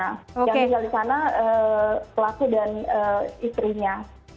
yang tinggal di sana pelaku dan istrinya